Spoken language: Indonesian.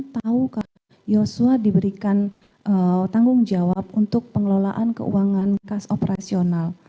tahu kak yosua diberikan tanggung jawab untuk pengelolaan keuangan kas operasional